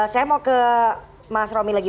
saya mau ke mas romil lidl